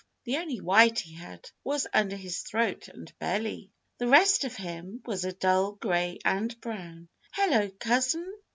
The only white he had was under his throat and belly. The rest of him was a dull gray and brown. "Hello, Cousin!"